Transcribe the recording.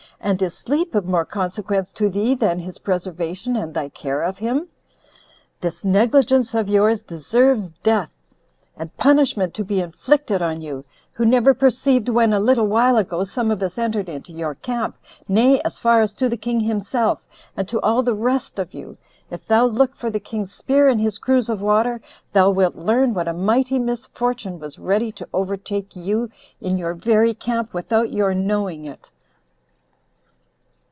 and is sleep of more consequence to thee than his preservation, and thy care of him? This negligence of yours deserves death, and punishment to be inflicted on you, who never perceived when, a little while ago, some of us entered into your camp, nay, as far as to the king himself, and to all the rest of you. If thou look for the king's spear and his cruse of water, thou wilt learn what a mighty misfortune was ready to overtake you in your very camp without your knowing it."